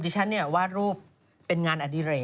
ฉันเนี่ยวาดรูปเป็นงานอดิเรก